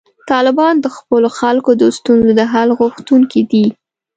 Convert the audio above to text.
طالبان د خپلو خلکو د ستونزو د حل غوښتونکي دي.